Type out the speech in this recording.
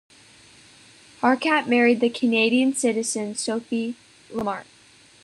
Harkat married the Canadian citizen Sophie Lamarche.